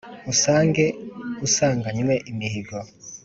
Usange usanganywe imihigo